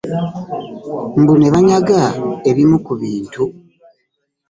Mbu ne banyaga ebimu ku bintu.